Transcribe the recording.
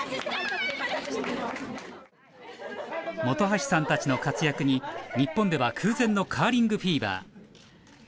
本橋さんたちの活躍に日本では空前のカーリングフィーバー。